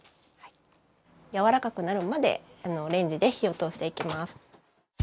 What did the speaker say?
やわらかくなるまでレンジで火を通していきます。